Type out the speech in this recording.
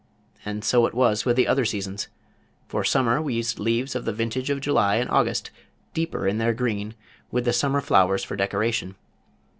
And so it was with the other seasons. For summer we used leaves of the vintage of July and August, deeper in their green, with the summer flowers for decoration.